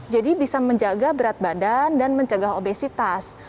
jadi bisa menjaga berat badan dan menjaga obesitas